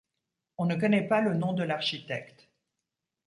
On ne connaît pas le nom de l'architecte.